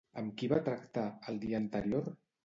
Amb qui va tractar, el dia anterior?